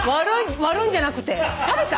割るんじゃなくて食べた！？